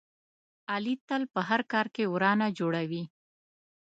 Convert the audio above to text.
علي تل په هر کار کې ورانه جوړوي.